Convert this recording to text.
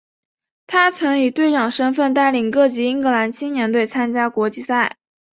他曾以队长身份带领各级英格兰青年队参加国际赛。